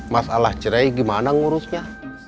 masalah cerai gimana ngurusnya